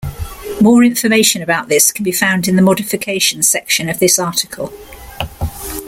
More information about this can be found in the modification section of this article.